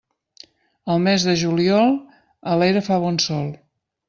Al mes de juliol, a l'era fa bon sol.